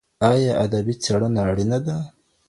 ایا ادبي څېړنه اړینه ده؟